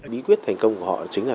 bí quyết thành công của họ chính là